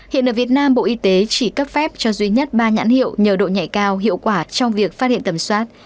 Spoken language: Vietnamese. hiện ở việt nam bộ y tế chỉ cấp phép cho duy nhất ba nhãn hiệu nhờ độ nhảy cao hiệu quả trong việc phát hiện tầm soát